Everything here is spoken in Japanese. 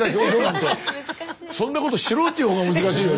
そんなことしろっていうほうが難しいよね。